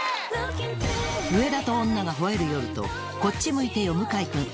『上田と女が吠える夜』と『こっち向いてよ向井くん』